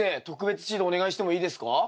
特別指導お願いしてもいいですか？